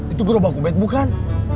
itu gerobak ubed bukan